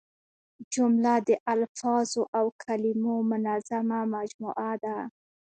جمله د الفاظو او کلیمو منظمه مجموعه ده.